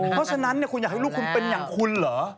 เพราะฉะนั้นคุณอยากให้ลูกคุณเป็นอย่างคุณเหรอ